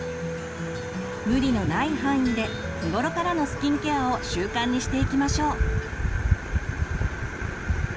無理のない範囲で日頃からのスキンケアを習慣にしていきましょう。